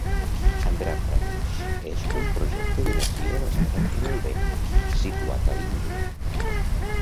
Andra Pradesh és un projecte d'energia basada en el vent situat a l'Índia.